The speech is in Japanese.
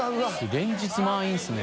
連日満員ですね。